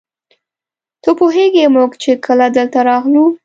ته پوهېږې موږ چې کله دلته راغلو.